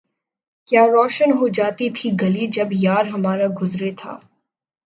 کیا روشن ہو جاتی تھی گلی جب یار ہمارا گزرے تھا